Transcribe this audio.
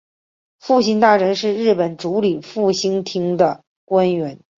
复兴大臣是日本主理复兴厅的官员。